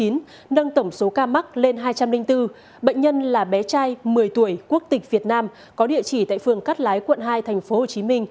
nâng tổng số ca mắc lên hai trăm linh bốn bệnh nhân là bé trai một mươi tuổi quốc tịch việt nam có địa chỉ tại phường cát lái quận hai tp hcm